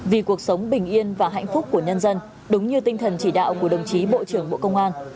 vì cuộc sống bình yên và hạnh phúc của nhân dân đúng như tinh thần chỉ đạo của đồng chí bộ trưởng bộ công an